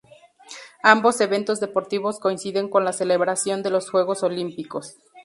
Ambos eventos deportivos coinciden con la celebración de los Juegos Olímpicos.